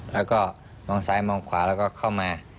แล้วก็มองซ้ายมองขวาแล้วก็เข้ามา